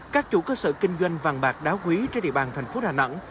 các chủ cơ sở kinh doanh vàng bạc đá quý trên địa bàn thành phố đà nẵng